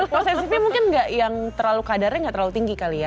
posesifnya mungkin gak yang terlalu kadarnya gak terlalu tinggi kali ya